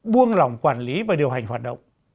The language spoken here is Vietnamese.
buông lòng quản lý và điều hành hoạt động